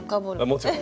もちろん。